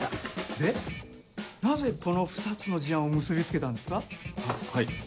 でなぜこの２つの事案を結び付けたんですか？